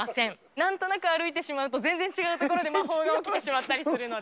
なんとなく歩いてしまうと、全然違う所で魔法が起きてしまったりするので。